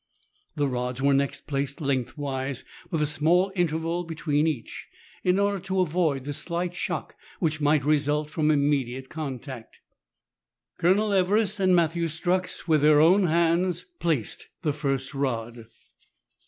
The rods were next placed lengthwise, with a small interval between each, in order to avoid the slight shock which might result from immediate contact. Colonel Everest and Matthew Strux with their own hands placed the first rod.